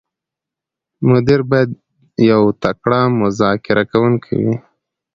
مدیر باید یو تکړه مذاکره کوونکی وي.